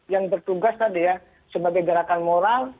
yang bertugas tadi ya sebagai gerakan moral